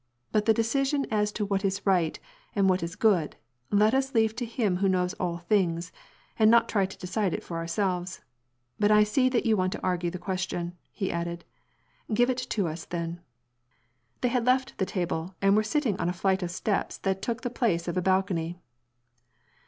But the decision as to what is right and what is good, let us leave to Him who knows all things, and not try to decide it for ourselves. But I see that you want to argue the question." He added, " Give it to us then." They had left the table and were sitting on a flight of steps that took the place of a balcony.